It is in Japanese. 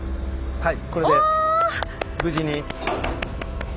はい。